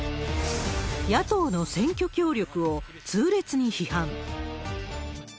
野党の選挙協力を痛烈に批判。